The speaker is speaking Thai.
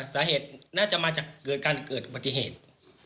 สาเหตุน่าจะมาจากเกิดการเกิดอุบัติเหตุ